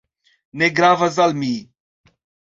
Ne gravas al mi."